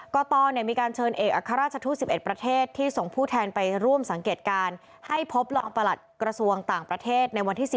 ก็ตอนมีการเชิญเอกอาคาราชทู้๑๑ประเทศ